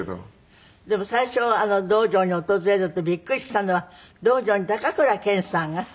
でも最初道場に訪れた時びっくりしたのは道場に高倉健さんが？